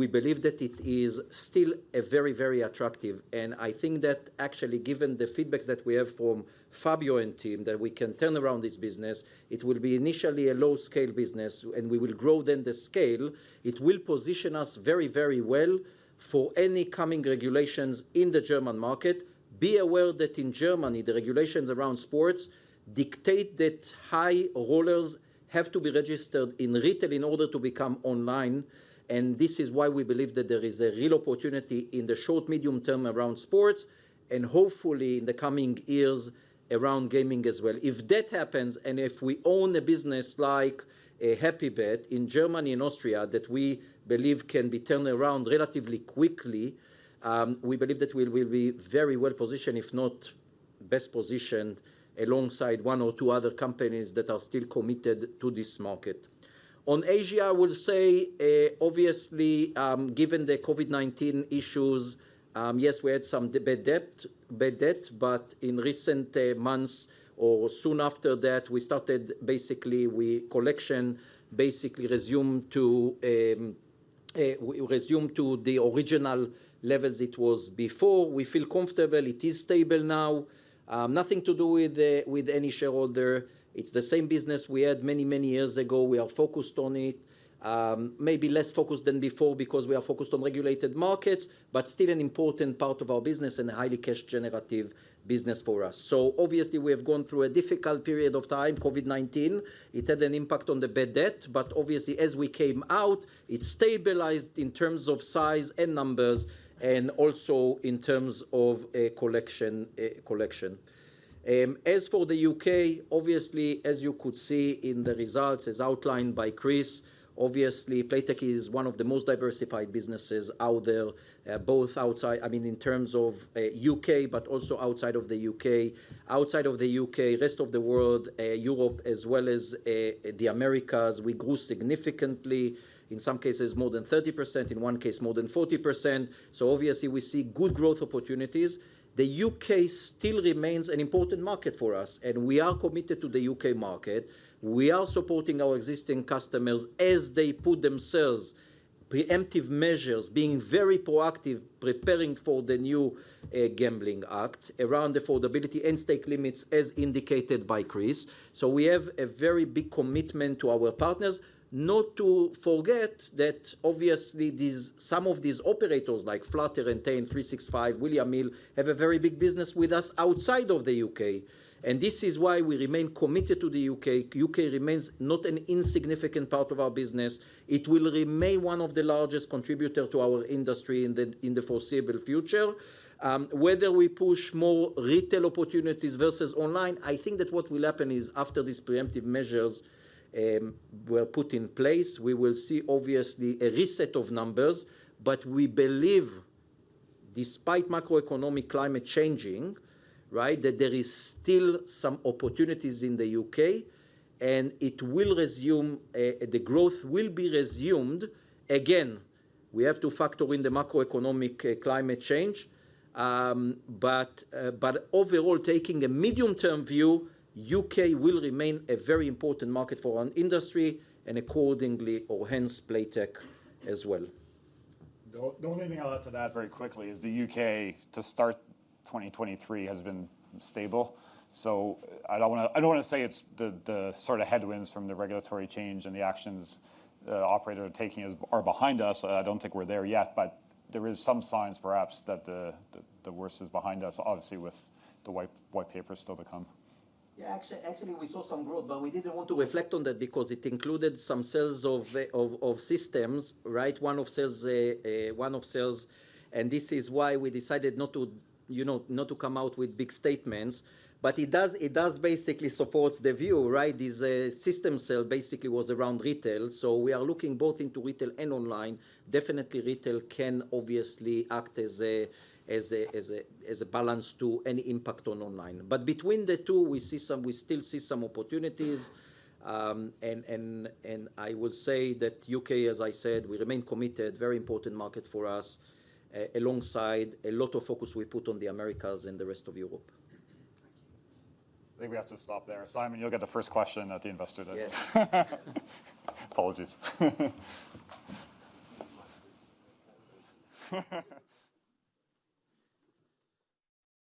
We believe that it is still a very, very attractive. I think that actually given the feedbacks that we have from Fabio and team, that we can turn around this business, it will be initially a low-scale business, and we will grow then the scale. It will position us very, very well for any coming regulations in the German market. Be aware that in Germany, the regulations around sports dictate that high rollers have to be registered in retail in order to become online, and this is why we believe that there is a real opportunity in the short, medium term around sports and hopefully in the coming years around gaming as well. If that happens, and if we own a business like HAPPYBET in Germany and Austria that we believe can be turned around relatively quickly, we believe that we will be very well-positioned, if not best positioned, alongside one or two other companies that are still committed to this market. On Asia, I would say, obviously, given the COVID-19 issues, yes, we had some bad debt, but in recent months or soon after that, we started basically. Collection basically resumed to original levels it was before. We feel comfortable. It is stable now. Nothing to do with any shareholder. It's the same business we had many, many years ago. We are focused on it. Maybe less focused than before because we are focused on regulated markets, but still an important part of our business and a highly cash generative business for us. Obviously we have gone through a difficult period of time, COVID-19. It had an impact on the bad debt, obviously as we came out, it stabilized in terms of size and numbers and also in terms of collection. As for the U.K., obviously as you could see in the results as outlined by Chris, obviously Playtech is one of the most diversified businesses out there, I mean, in terms of U.K., but also outside of the U.K. Outside of the U.K., rest of the world, Europe as well as the Americas, we grew significantly, in some cases more than 30%, in one case more than 40%. Obviously we see good growth opportunities. The U.K. Still remains an important market for us, we are committed to the U.K. market. We are supporting our existing customers as they put themselves preemptive measures, being very proactive, preparing for the new Gambling Act around affordability and stake limits as indicated by Chris. We have a very big commitment to our partners. Not to forget that obviously these, some of these operators, like Flutter Entertainment, bet365, William Hill, have a very big business with us outside of the U.K., and this is why we remain committed to the U.K. remains not an insignificant part of our business. It will remain one of the largest contributor to our industry in the, in the foreseeable future. Whether we push more retail opportunities versus online, I think that what will happen is after these preemptive measures were put in place, we will see obviously a reset of numbers. We believe despite macroeconomic climate changing, right, that there is still some opportunities in the U.K. And it will resume, the growth will be resumed. Again, we have to factor in the macroeconomic, climate change. Overall, taking a medium-term view, U.K. will remain a very important market for our industry and accordingly or hence Playtech as well. The only thing I'll add to that very quickly is the U.K. to start 2023 has been stable. I don't wanna say it's the sort of headwinds from the regulatory change and the actions the operator are taking are behind us. I don't think we're there yet. There is some signs perhaps that the worst is behind us, obviously with the White Paper still to come. Yeah. Actually, we saw some growth, but we didn't want to reflect on that because it included some sales of systems, right? One-off sales. This is why we decided not to, you know, not to come out with big statements. It does basically supports the view, right? This system sale basically was around retail. We are looking both into retail and online. Definitely retail can obviously act as a balance to any impact on online. Between the two, we still see some opportunities. I will say that U.K., as I said, we remain committed, very important market for us, alongside a lot of focus we put on the Americas and the rest of Europe. Thank you. I think we have to stp there. Simon, you'll get the first question at the investor day. Yes. Apologies.